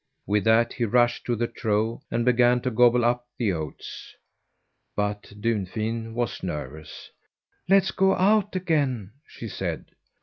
With that he rushed to the trough and began to gobble up the oats. But Dunfin was nervous. "Let's go out again!" she said.